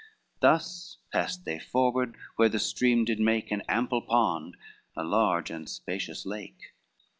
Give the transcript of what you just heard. Thus passed they forward where the stream did make An ample pond, a large and spacious lake.